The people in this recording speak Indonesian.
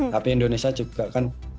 tapi indonesia juga kan sekarang sudah jauh